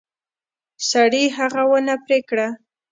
سړي هغه ونه پرې کړه.